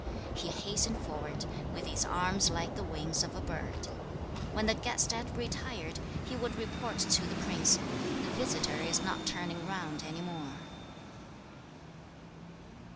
3. He hastened forward, with his arms like the wings of a bird. 4. When the guest had retired, he would report to the prince, 'The visitor is not turning round any more.'